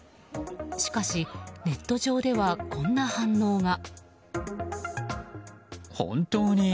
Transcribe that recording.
しかし、ネット上ではこんな反応が。